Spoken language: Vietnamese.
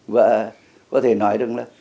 và có thể nói rằng là